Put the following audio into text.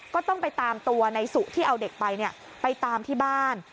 ก็ต้องไปตามตัวในสุที่เอาเด็กไปไปตามที่บ้าน